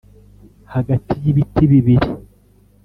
hagati y'ibiti bibiri